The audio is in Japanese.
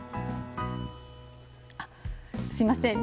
あっすいません。